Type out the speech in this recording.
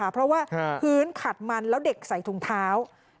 เพราะว่าพื้นขัดมันแล้วเด็กใส่ถุงเท้า